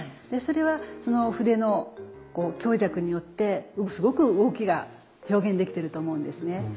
でそれはその筆の強弱によってすごく動きが表現できてると思うんですね。